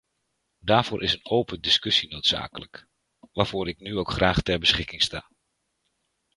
Daarvoor is een open discussie noodzakelijk, waarvoor ik nu ook graag ter beschikking sta.